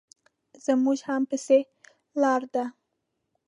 زموږ هم پسې لار ده.